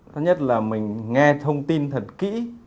thứ nhất là mình nghe thông tin thật kỹ